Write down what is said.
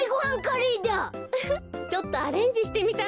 うふっちょっとアレンジしてみたの。